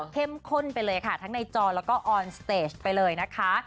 ข้นไปเลยค่ะทั้งในจอแล้วก็ออนสเตจไปเลยนะคะ